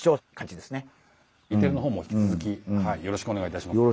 Ｅテレの方も引き続きよろしくお願いいたします。